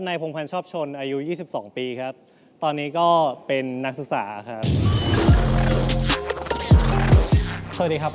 มาพบกับหนุ่มโสดทั้ง๔คนได้เลยครับ